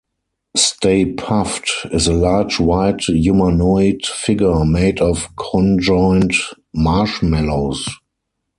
Stay Puft is a large white humanoid figure made of conjoined marshmallows.